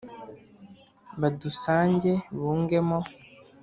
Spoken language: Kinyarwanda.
Badusange bungemo